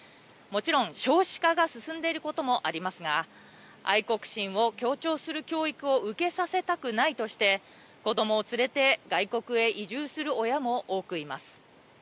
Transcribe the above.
もちろん少子化が進んでいることもありますが愛国心を強調する教育を受けさせたくないとして子どもを連れて外国へ移住する親も多くいます。